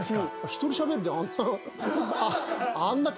一人しゃべりであんな。